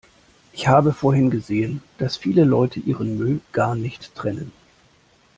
Ich habe vorhin gesehen, dass viele Leute ihren Müll gar nicht trennen.